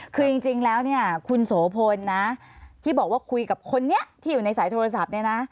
คือจริงแล้วเนี่ยคุณโสพลนะที่บอกว่าคุยกับคนนี้ที่อยู่ในสายโทรศัพท์เนี่ยนะ